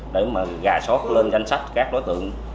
để mà gà sót lên danh sách các đối tượng